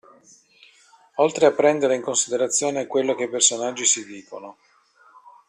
Oltre a prendere in considerazione quello che i personaggi si dicono.